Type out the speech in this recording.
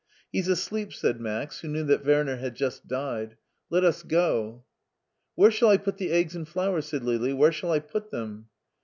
" He's asleep," said Max, who knew that Werner had just died ;" let us go." " Where shall I put the eggs and flowers ?" said Lili ;" where shall I put them